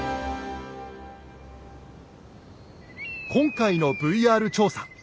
今回のＶＲ調査。